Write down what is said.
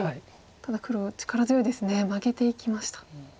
ただ黒は力強いですねマゲていきました。